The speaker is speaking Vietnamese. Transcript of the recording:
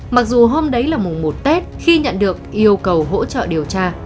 mặc dù hôm đấy là mùng một tết khi nhận được yêu cầu hỗ trợ điều tra